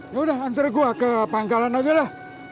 yaudah ansur gue ke pangkalan aja lah